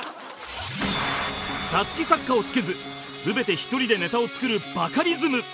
座付き作家を付けず全て１人でネタを作るバカリズム